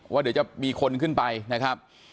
ว่าเดี๋ยวจะมีคนขึ้นไปนะครับ